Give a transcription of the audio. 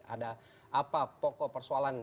ada apa pokok persoalan